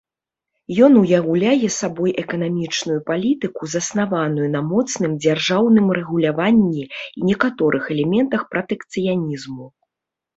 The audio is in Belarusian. Ён уяўляе сабой эканамічную палітыку, заснаваную на моцным дзяржаўным рэгуляванні і некаторых элементах пратэкцыянізму.